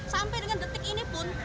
sampai dengan detik ini pun